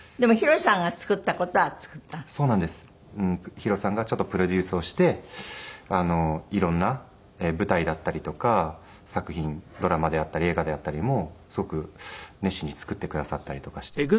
ＨＩＲＯさんがプロデュースをして色んな舞台だったりとか作品ドラマであったり映画であったりもすごく熱心に作ってくださったりとかしていて。